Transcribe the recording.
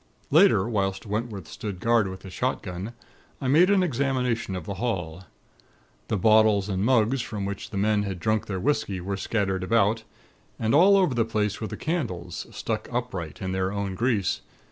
"Later, whilst Wentworth stood guard with his shotgun, I made an examination of the hall. The bottles and mugs from which the men had drunk their whisky were scattered about; and all over the place were the candles, stuck upright in their own grease.